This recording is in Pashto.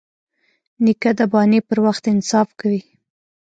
نیکه د بانې پر وخت انصاف کوي.